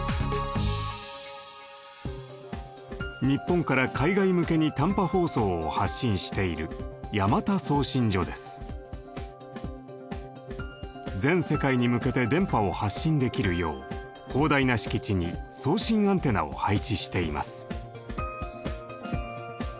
日本から海外向けに短波放送を発信している全世界に向けて電波を発信できるよう広大な敷地に送信アンテナを配置しています。